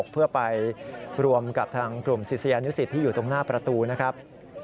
เพื่อไปรวมกับทางกลุ่มศิษยานุสิตที่อยู่ตรงหน้าประตูนะครับ